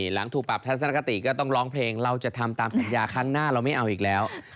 หลังถูกปรับทัศนคติก็ต้องร้องเพลงเราจะทำตามสัญญาครั้งหน้าเราไม่เอาอีกแล้ว